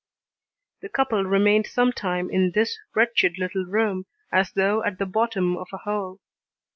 The couple remained some time in this wretched little room, as though at the bottom of a hole.